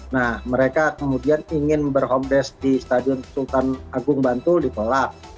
nah mereka kemudian ingin berhome base di stadion sultan agung bantul ditolak